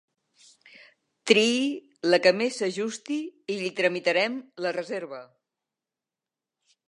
Trii la que més s'ajusti i li tramitarem la reserva.